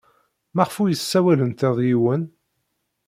Maɣef ur ssawalent ed yiwen?